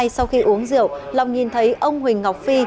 sau khi uống rượu long nhìn thấy ông huỳnh ngọc phi